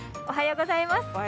おはようございます。